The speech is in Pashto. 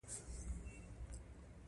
بګۍ بالا حصار ته وخته.